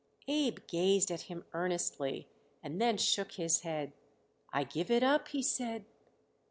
Abe gazed at him earnestly and then shook his head. "I give it up," he said.